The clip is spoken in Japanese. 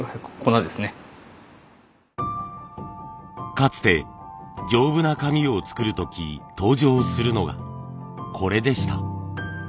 かつて丈夫な紙を作る時登場するのがこれでした。